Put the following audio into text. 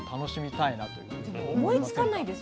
でも思いつかないです